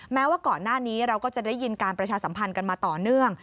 แม้ว่าก่อนหน้านี้เราก็จะได้ยินการประชาสัมพันธ์กันมาต่อเนื่อง